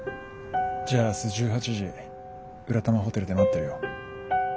じゃあ明日１８時浦玉ホテルで待ってるよ。